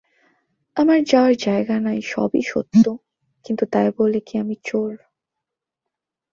আমার যাওয়ার জায়গা নাই-সবই সত্য, কিন্তু তাই বলে আমি কি চোর?